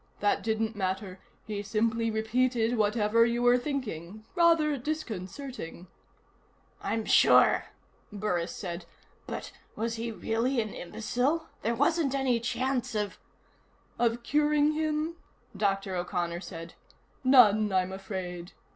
That didn't matter; he simply repeated whatever you were thinking. Rather disconcerting." "I'm sure," Burris said. "But he was really an imbecile? There wasn't any chance of " "Of curing him?" Dr. O'Connor said. "None, I'm afraid.